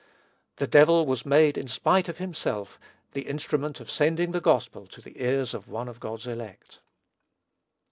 The devil was made, in spite of himself, the instrument of sending the gospel to the ears of one of God's elect.